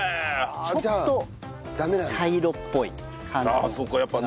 ちょっと茶色っぽい感じの方がいいですね。